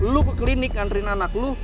lu ke klinik nganterin anak lo